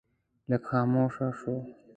لږ خاموشه شو.